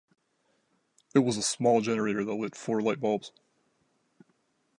It was a small generator that lit four light bulbs.